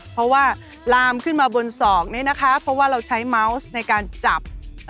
เพราะว่าลามขึ้นมาบนศอกเนี่ยนะคะเพราะว่าเราใช้เมาส์ในการจับ